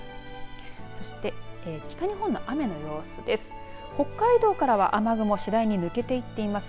そして、北日本の雨の様子です。